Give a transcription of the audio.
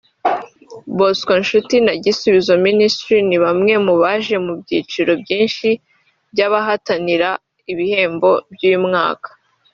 Bosco Nshuti na Gisubizo Ministries ni bamwe mu baje mu byiciro byinshi by'abahatanira ibihembo by'uyu mwaka